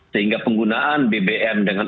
sehingga penggunaan bbm dengan